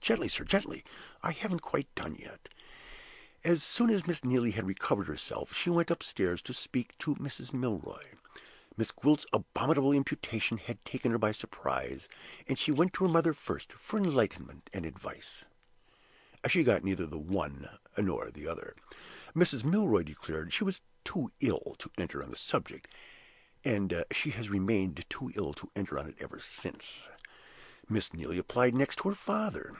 Gently, sir, gently! I haven't quite done yet. As soon as Miss Neelie had recovered herself, she went upstairs to speak to Mrs. Milroy. Miss Gwilt's abominable imputation had taken her by surprise; and she went to her mother first for enlightenment and advice. She got neither the one nor the other. Mrs. Milroy declared she was too ill to enter on the subject, and she has remained too ill to enter on it ever since. Miss Neelie applied next to her father.